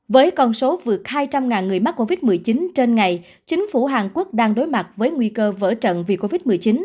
với con số vượt hai trăm linh người mắc covid một mươi chín trên ngày chính phủ hàn quốc đang đối mặt với nguy cơ vỡ trận vì covid một mươi chín